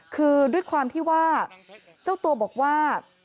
คือด้วยความที่ว่าเจ้าตัวบอกว่า